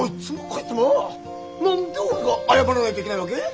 何で俺が謝らないといけないわけ？